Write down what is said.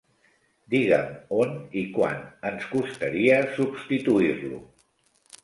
Digue"m on i quan ens costaria substituir-lo?